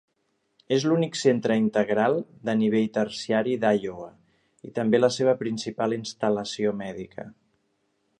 És l'únic centre integral de nivell terciari d'Iowa i també la seva principal instal·lació mèdica.